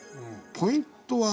ポイントは？